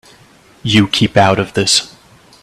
You keep out of this.